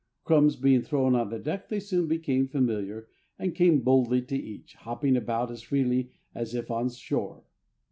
Crumbs being thrown on the deck, they soon became familiar, and came boldly to eat, hopping about as freely as if on shore.